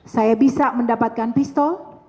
saya bisa mendapatkan pistol